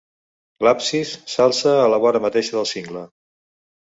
L'absis s'alça a la vora mateixa del cingle.